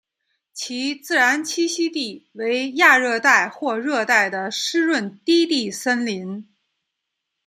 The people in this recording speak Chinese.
其自然栖息地为亚热带或热带的湿润低地森林。